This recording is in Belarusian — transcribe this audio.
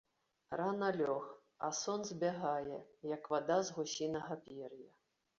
Рана лёг, а сон збягае, як вада з гусінага пер'я.